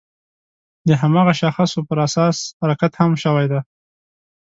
د هماغه شاخصو پر اساس حرکت هم شوی دی.